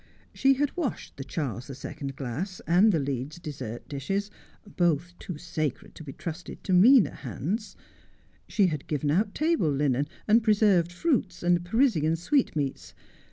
She had washed the Charles the Second glass, and the Leeds dessert 74 Just as I Am. d islies, both too sacred to be trusted to meaner bands. She bad given out table linen, and preserved fruits, and Parisian sweet meats.